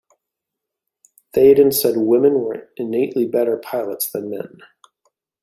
Thaden said women were innately better pilots than men.